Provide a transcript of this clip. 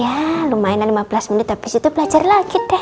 ya lumayan lima belas menit abis itu belajar lagi deh